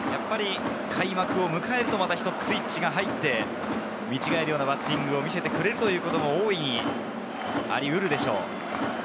開幕を迎えるとスイッチが入って、見違えるようなバッティングを見せてくれることも多いにありうるでしょう。